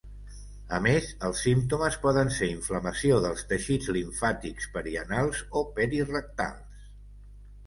A més, els símptomes poden ser inflamació dels teixits limfàtics perianals o perirectals.